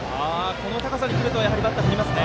あの高さに来るとバッターは振りますね。